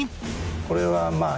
これはまあ。